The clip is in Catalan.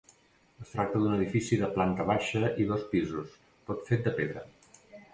Es tracta d'un edifici de planta baixa i dos pisos, tot fet de pedra.